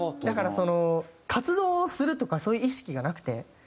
だから活動をするとかそういう意識がなくて。